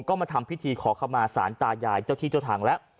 ก็มาทำพิธีขอเข้ามาสารตายายเจ้าที่เจ้าทางแล้ว